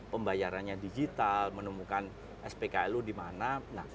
pembayarannya digital menemukan spkl nya di mana